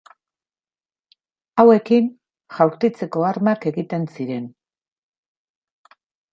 Hauekin, jaurtitzeko armak egiten ziren.